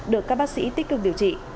được các bác sĩ tích cực điều trị